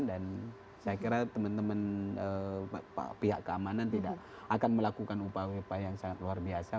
dan saya kira teman teman pihak keamanan tidak akan melakukan upaya upaya yang sangat luar biasa